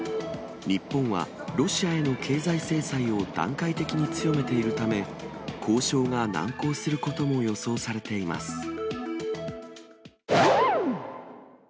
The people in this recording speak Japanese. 日本はロシアへの経済制裁を段階的に強めているため、交渉が難航することも予想されています。